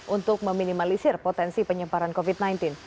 untuk meminimalisir potensi penyebaran covid sembilan belas